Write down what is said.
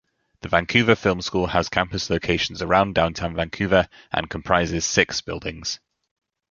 The Vancouver Film School has campus locations around Downtown Vancouver and comprises six buildings.